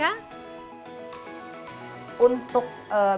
apakah ini menjadi ancaman tersendiri untuk profesi mereka